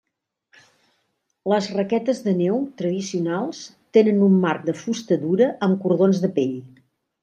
Les raquetes de neu tradicionals tenen un marc de fusta dura amb cordons de pell.